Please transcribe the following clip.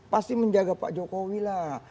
pasti menjaga pak jokowi lah